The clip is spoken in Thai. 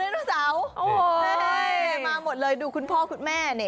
มาหมดเลยดูคุณพ่อคุณแม่นี่